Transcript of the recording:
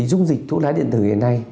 dung dịch thuốc lá điện tử hiện nay